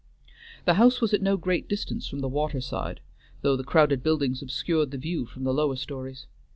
The house was at no great distance from the water side, though the crowded buildings obscured the view from the lower stories.